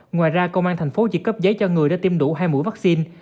ngoài ra công an tp hcm chỉ cấp giấy cho người đã tiêm đủ hai mũi vaccine